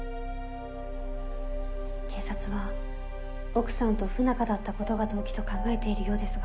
警察は奥さんと不仲だったことが動機と考えているようですが。